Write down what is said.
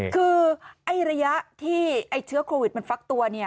คือไอ้ระยะที่ไอ้เชื้อโควิดมันฟักตัว